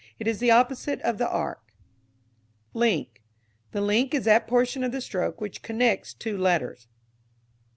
It is the opposite of the arc. Link. The link is that portion of the stroke which connects two letters.